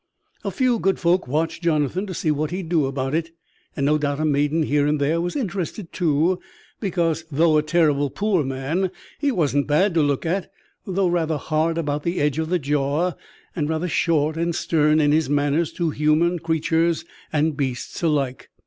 A good few folk watched Jonathan to see what he'd do about it, and no doubt a maiden here and there was interested too; because, though a terrible poor man, he wasn't bad to look at, though rather hard about the edge of the jaw, and rather short and stern in his manners to human creatures and beasts alike.